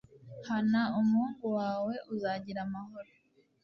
Hana umuhungu wawe uzagira amahoro